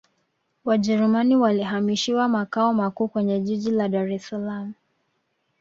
wajerumani walihamishiwa makao makuu kwenye jiji la dar es salaam